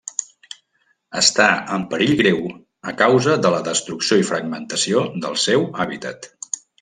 Està en perill greu a causa de la destrucció i fragmentació del seu hàbitat.